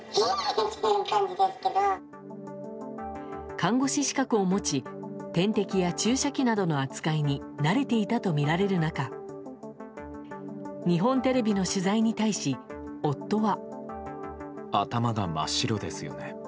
看護師資格を持ち点滴や注射器などの扱いに慣れていたとみられる中日本テレビの取材に対し夫は。